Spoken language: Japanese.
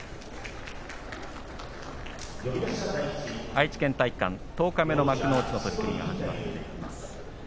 愛知県体育館、十日目の幕内の取組が始まっています。